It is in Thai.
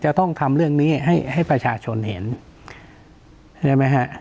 จะต้องทำเรื่องนี้ให้ให้ประชาชนเห็นใช่ไหมฮะ